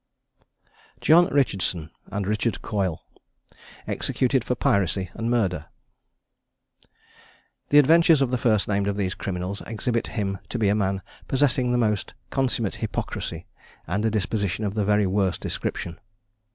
JOHN RICHARDSON AND RICHARD COYLE. EXECUTED FOR PIRACY AND MURDER. The adventures of the first named of these criminals exhibit him to be a man possessing the most consummate hypocrisy, and a disposition of the very worst description.